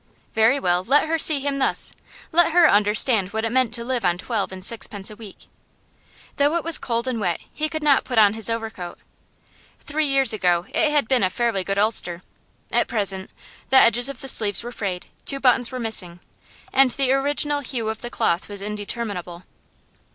Very well; let her see him thus. Let her understand what it meant to live on twelve and sixpence a week. Though it was cold and wet he could not put on his overcoat. Three years ago it had been a fairly good ulster; at present, the edges of the sleeves were frayed, two buttons were missing, and the original hue of the cloth was indeterminable.